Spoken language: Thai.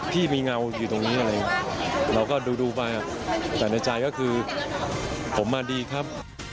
พี่มีเงาอยู่ตรงนี้อะไรเราก็ดูไปแต่ในใจก็คือผมมาดีครับ